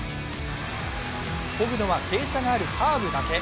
こぐのは傾斜があるカーブだけ。